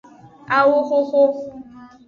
Awoxoxo.